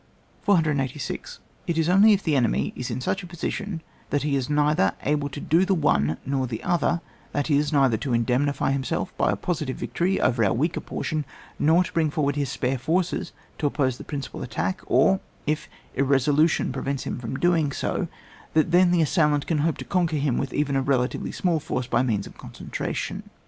486. It is only if the enemy is in such a position that he is neither able to do the one nor the other ; that is, neither to in demnify himself by a positive victory over our weaker portion, nor to bring forward his spare forces to oppose the principal attack, or if irresolution pre vents his doing so, that then the assail ant can hope to conquer him with even a relatively very small force, by means of concentration.